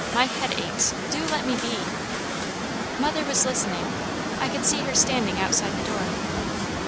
My head aches. Do let me be!" Mother was listening. I could see her standing outside the door.